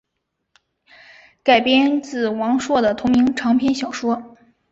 改编自王朔的同名长篇小说。